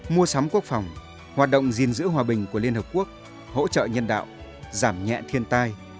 mua sắm quốc phòng hoạt động gìn giữ hòa bình của liên hợp quốc hỗ trợ nhân đạo giảm nhẹ thiên tai